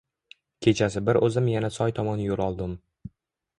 Kechasi bir o`zim yana soy tomon yo`l oldim